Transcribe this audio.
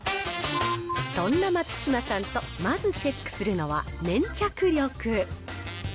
そんな松嶋さんとまずチェックするのは粘着力。